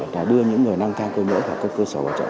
đã đưa những người năng thang cơ nhỡ vào các cơ sở hội trợ